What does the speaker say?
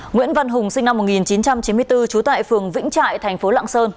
nguyễn văn hùng sinh năm một nghìn chín trăm chín mươi bốn trú tại phường vĩnh trại thành phố lạng sơn